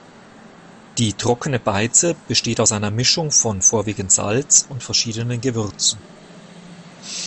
Die trockene Beize besteht aus einer Mischung von vorwiegend Salz und verschiedenen Gewürzen.